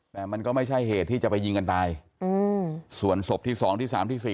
แต่มันก็ไม่ใช่เหตุที่จะไปยิงกันตายอืมส่วนศพที่สองที่สามที่สี่